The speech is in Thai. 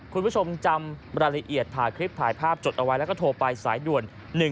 คุณผู้ชมจำรายละเอียดถ่ายคลิปถ่ายภาพจดเอาไว้แล้วก็โทรไปสายด่วน๑๒